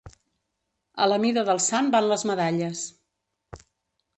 A la mida del sant van les medalles.